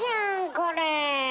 これ。